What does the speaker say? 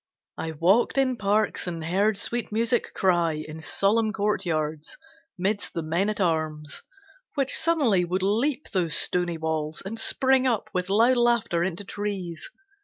I walked in parks and heard sweet music cry In solemn courtyards, midst the men at arms; Which suddenly would leap those stony walls And spring up with loud laughter into trees.